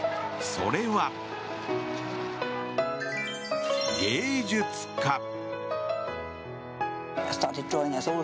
それは芸術家。